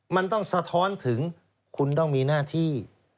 มันต้องสะท้อนถึงคุณต้องมีหน้าที่